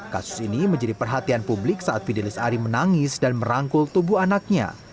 kasus ini menjadi perhatian publik saat fidelis ari menangis dan merangkul tubuh anaknya